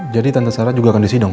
jadi tante sarah juga akan disidang